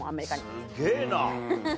すげぇな。